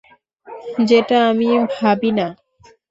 যেটা আমি ভাবিনা।